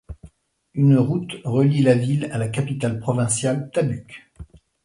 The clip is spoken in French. Une route relie la ville à la capitale provinciale, Tabuk.